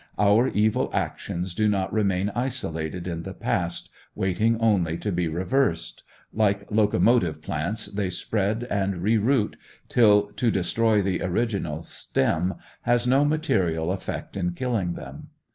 Our evil actions do not remain isolated in the past, waiting only to be reversed: like locomotive plants they spread and re root, till to destroy the original stem has no material effect in killing them.